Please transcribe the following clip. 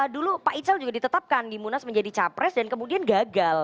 dulu pak ical juga ditetapkan di munas menjadi capres dan kemudian gagal